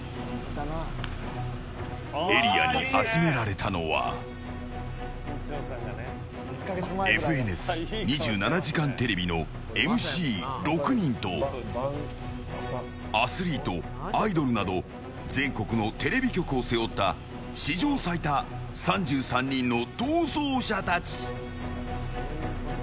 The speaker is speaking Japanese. エリアに集められたのは「ＦＮＳ２７時間テレビ」のＭＣ６人とアスリート、アイドルなど全国のテレビ局を背負った史上最多３３人の逃走者たち。